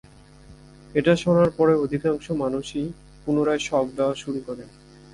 এটা শোনার পরে অধিকাংশ মানুষই পুনরায় শক দেয়া শুরু করেন।